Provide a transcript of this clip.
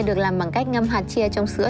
được làm bằng cách ngâm hạt chia trong sữa